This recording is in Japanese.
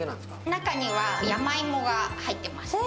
中には山芋が入ってます。